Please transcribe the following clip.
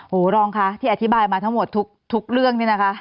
รองคะที่อธิบายมาทั้งหมดทุกเรื่องนี่นะคะ